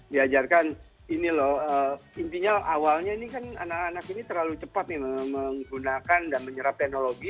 diajarkan ini loh intinya awalnya ini kan anak anak ini terlalu cepat nih menggunakan dan menyerap teknologi